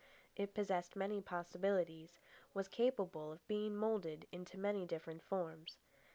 It possessed many possibilities, was capable of being moulded into many different forms.